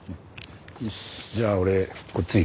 よしじゃあ俺こっち行くから。